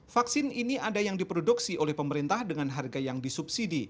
vaksin ini ada yang diproduksi oleh pemerintah dengan harga yang disubsidi